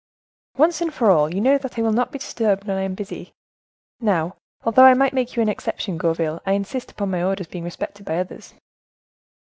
"Once and for all, you know that I will not be disturbed when I am busy. Now, although I might make you an exception, Gourville, I insist upon my orders being respected by others."